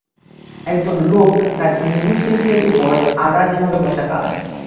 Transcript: একজন লোক তার হিন্দু শিল্পের উপর আড়াআড়িভাবে বসা কাজ